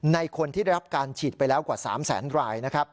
ในคนที่ได้รับการฉีดไปแล้วกว่า๓แสนราย